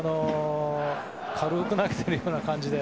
軽く投げているような感じで。